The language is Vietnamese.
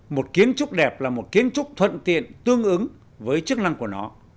một kiến trúc đẹp là một kiến trúc thuận tiện tương ứng với chức năng của nó